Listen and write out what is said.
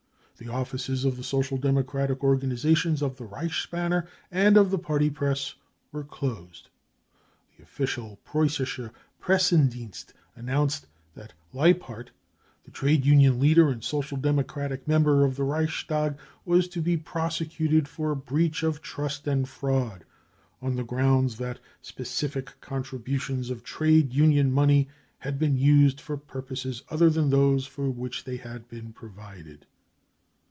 Thee offices of the Social Democratic organisations, of the Reichsbanner and of the party Press were closed. The official Preussische Pressedienst announced that Leipart, the trade union leader and Social Democratic member of the Reich stag, was to be prosecuted for " breach of trust and fraud 5 9 on the ground that cc specific contributions of trade union money had been used for purposes other than those for which they had been provided."